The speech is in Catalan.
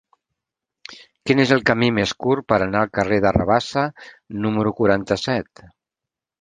Quin és el camí més curt per anar al carrer de Rabassa número quaranta-set?